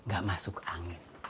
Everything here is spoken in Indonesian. gak masuk angin